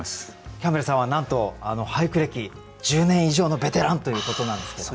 キャンベルさんはなんと俳句歴１０年以上のベテランということなんですけども。